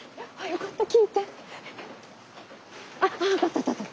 ああったあったあった。